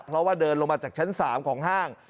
เพราะว่าเดินลงมาจากชั้น๓ของห้าง